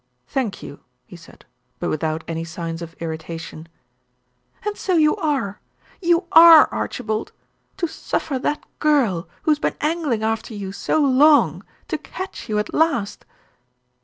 "Thank you," he said, but without any signs of irritation. "And so you are; you are, Archibald. To suffer that girl, who has been angling after you so long, to catch you at last."